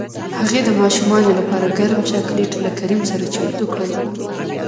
هغې د ماشومانو لپاره ګرم چاکلیټ له کریم سره چمتو کړل